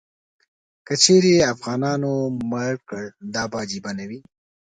که چیرې افغانانو مړ کړ، دا به عجیبه نه وي.